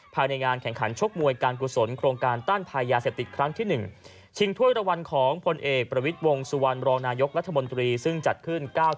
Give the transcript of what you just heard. ภายในงานแข่งขันชกมวยการกุศลโครงการต้านภัยยาเสพติดครั้งที่๑ชิงถ้วยรางวัลของพลเอกประวิทย์วงสุวรรณรองนายกรัฐมนตรีซึ่งจัดขึ้น๙๙